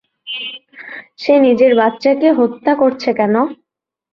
সে নিজের বাচ্চাকে হত্যা করছে কেন?